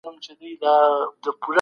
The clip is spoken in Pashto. ټولنيز اصول بايد ومنل سي.